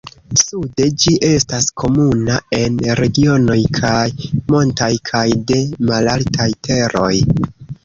Sude ĝi estas komuna en regionoj kaj montaj kaj de malaltaj teroj.